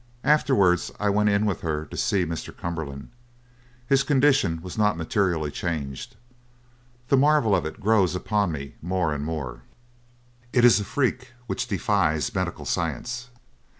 "Afterwards I went in with her to see Mr. Cumberland. His condition was not materially changed. The marvel of it grows upon me more and more. It is a freak which defies medical science.